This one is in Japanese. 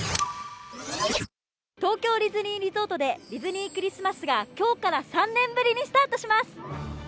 東京ディズニーリゾートでディズニー・クリスマスが今日から３年ぶりにスタートします